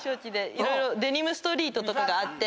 デニムストリートとかがあって。